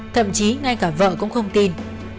thậm chí ngay cả vợ cũng không tin